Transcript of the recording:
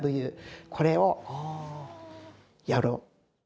これをやろう。